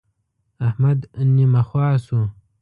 احمد نيمه خوا شو.